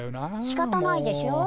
しかたないでしょ。